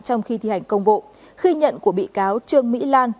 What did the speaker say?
trong khi thi hành công vụ khi nhận của bị cáo trương mỹ lan